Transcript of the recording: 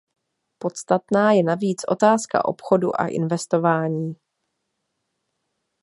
Podstatná je navíc otázka obchodu a investování.